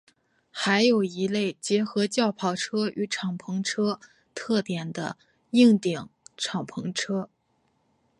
还有一类结合轿跑车与敞篷车特点的硬顶敞篷车。